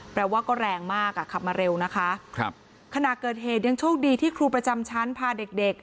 แปลว่าก็แรงมากอ่ะขับมาเร็วนะคะครับขณะเกิดเหตุยังโชคดีที่ครูประจำชั้นพาเด็กเด็ก